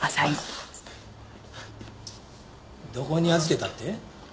どこに預けたって？